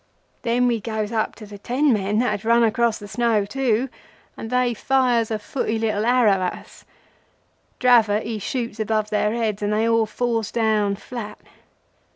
Then we goes up to the ten men that had run across the snow too, and they fires a footy little arrow at us. Dravot he shoots above their heads and they all falls down flat.